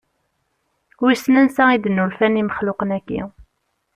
Wissen ansa i d-nulfan imexluqen-aki?